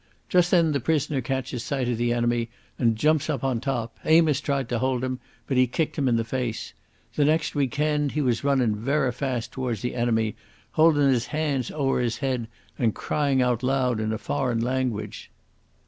Just then the prisoner catches sight of the enemy and jumps up on the top. Amos tried to hold him, but he kicked him in the face. The next we kenned he was runnin' verra fast towards the enemy, holdin' his hands ower his heid and crying out loud in a foreign langwidge."